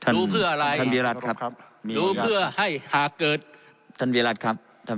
ดูเพื่ออะไรดูเพื่อมาต่อให้ถ็อกเกิด